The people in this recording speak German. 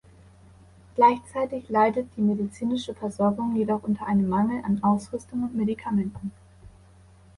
Gleichzeitig leidet die medizinische Versorgung jedoch unter einem Mangel an Ausrüstung und Medikamenten.